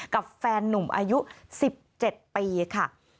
กับแฟนนุ่มอายุ๑๗ปีค่ะ